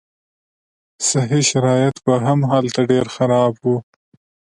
صحي شرایط به هم هلته ډېر خراب وو.